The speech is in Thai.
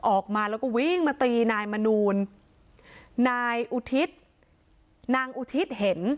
ออกมาแล้วก็วิ่งมาตีนายมนูลนายอุทิศนางอุทิศเห็น